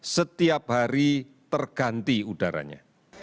setiap hari terganti udaranya